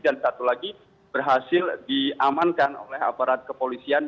dan satu lagi berhasil diamankan oleh aparat kepolisian